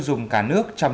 cảm ơn các bạn đã theo dõi